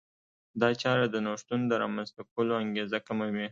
دا چاره د نوښتونو د رامنځته کولو انګېزه کموي.